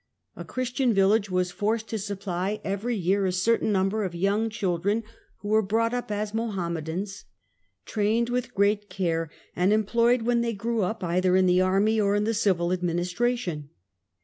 A Christian village was forced to supply every year a cer tain number of young children, who were brought up as Mohammedans, trained with great care and employed when they grew up either in the army or in the civil ad ministration.